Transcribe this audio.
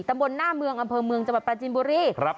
บนหน้าเมืองอำเภอเมืองจังหวัดปราจินบุรี